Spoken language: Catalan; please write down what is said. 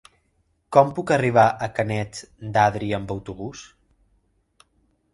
Com puc arribar a Canet d'Adri amb autobús?